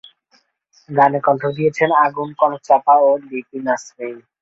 গানে কণ্ঠ দিয়েছেন আগুন, কনক চাঁপা ও লিপি নাসরিন।